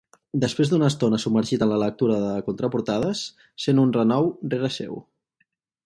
Després d'una estona submergit en la lectura de contraportades, sent un renou rere seu.